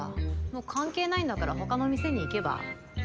もう関係ないんだから他の店に行けば？